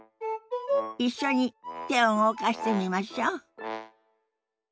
一緒に手を動かしてみましょ。